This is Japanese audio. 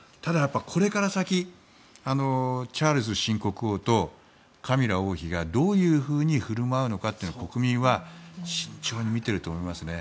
これから先チャールズ新国王とカミラ王妃がどういうふうに振る舞うのかというのを国民は慎重に見ていると思いますね。